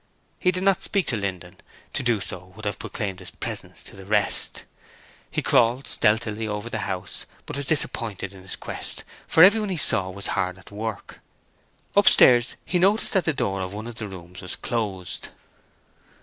He did not speak to Linden; to do so would have proclaimed his presence to the rest. He crawled stealthily over the house but was disappointed in his quest, for everyone he saw was hard at work. Upstairs he noticed that the door of one of the rooms was closed.